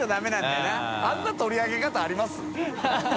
あんな取り上げ方あります？